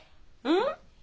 うん？